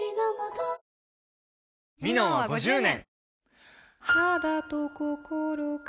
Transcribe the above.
「ミノン」は５０年！